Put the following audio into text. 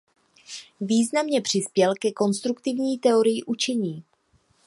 Významně přispěl ke konstruktivní teorii učení.